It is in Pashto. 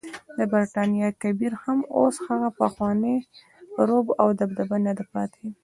د برټانیا کبیر هم اوس هغه پخوانی رعب او دبدبه نده پاتې.